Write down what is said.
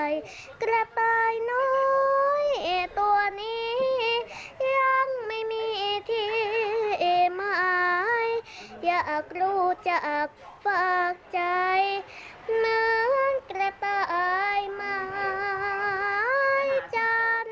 อยากรู้จากฝากใจมันกระต่ายมาจันทร์